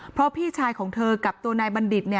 เพราะพี่ชายของเธอกับตัวนายบัณฑิต